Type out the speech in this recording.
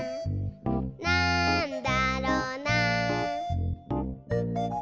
「なんだろな？」